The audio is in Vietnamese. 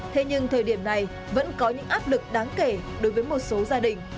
thế nhưng thời điểm này vẫn có những áp lực đáng kể đối với một số gia đình